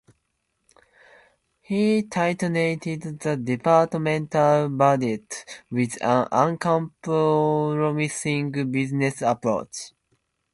He tightened the departmental budget with an uncompromising business approach.